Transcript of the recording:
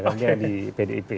rangkaian di pdb